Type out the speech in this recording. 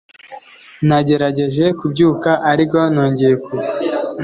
Nagerageje kubyuka, ariko nongeye kugwa.